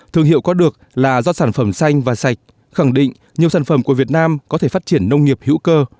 thương hiệu có được là do sản phẩm xanh và sạch khẳng định nhiều sản phẩm của việt nam có thể phát triển nông nghiệp hữu cơ